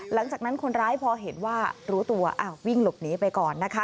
หลังจากนั้นคนร้ายพอเห็นว่ารู้ตัววิ่งหลบหนีไปก่อนนะคะ